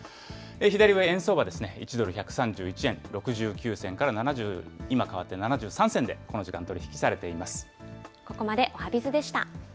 左上、円相場ですね、１ドル１３１円６９銭から、今変わって７３銭で、この時間取り引きされています。